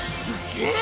えっ！？